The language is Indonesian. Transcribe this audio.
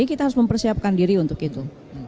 jadi kita harus mempersiapkan diri untuk itu